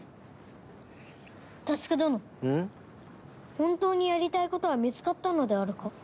本当にやりたい事は見つかったのであるか？